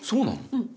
うん。